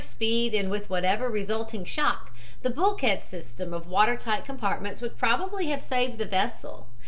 } speed and with whatever resulting shock, the bulkhead system of water tight compartments would probably have saved the vessel.